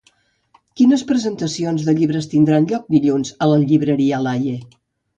Quines presentacions de llibres tindran lloc dilluns a la llibreria Laie?